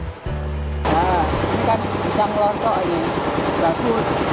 wah ini kan bisa ngelontok ini